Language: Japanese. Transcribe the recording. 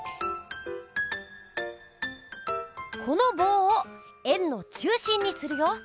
このぼうを円の中心にするよ。